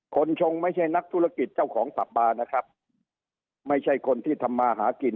ชงไม่ใช่นักธุรกิจเจ้าของผับบาร์นะครับไม่ใช่คนที่ทำมาหากิน